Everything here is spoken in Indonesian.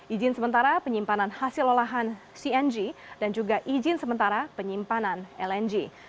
izin sementara penyimpanan hasil olahan cng dan juga izin sementara penyimpanan lng